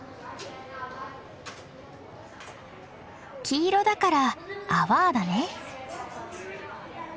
黄色だからアワーだね。